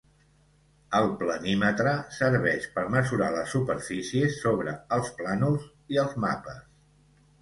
El planímetre serveix per mesurar les superfícies sobre els plànols i els mapes.